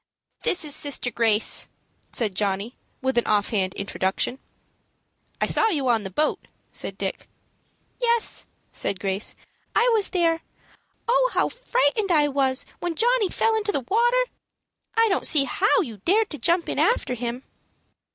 "This is sister Grace," said Johnny, with an offhand introduction. "I saw you on the boat," said Dick. "Yes," said Grace, "I was there. Oh, how frightened I was when Johnny fell into the water! I don't see how you dared to jump in after him."